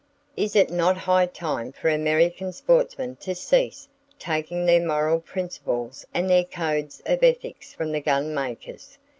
Is it not high time for American sportsmen to cease taking their moral principles and their codes of ethics from the gun makers?